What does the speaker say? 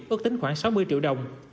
ước tính khoảng sáu mươi triệu đồng